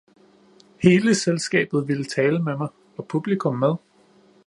Hele selskabet ville tale med mig, og publikum med